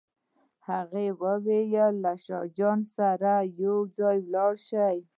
هغه وویل له شاه جان سره به یو ځای ولاړ شو.